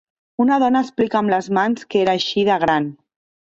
Una dona explica amb les mans que era així de gran.